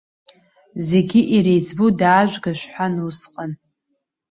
Зегьы иреиҵбу даажәга шәҳәан усҟан.